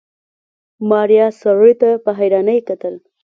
ماريا سړي ته په حيرانۍ کتل.